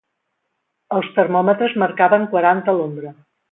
Els termòmetres marcaven quaranta a l'ombra.